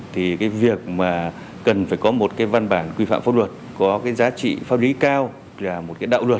thì việc cần phải có một văn bản quy phạm pháp luật có giá trị pháp lý cao là một đạo luật